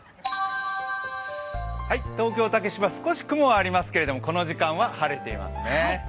東京・竹芝、少し雲はありますけれども、この時間は晴れていますね。